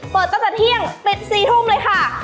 เปิดตั้งแต่เที่ยงปิด๔ทุ่มเลยค่ะ